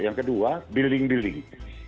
yang kedua building building